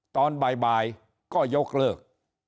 ตอนบ่ายบ่ายก็ยกเลิก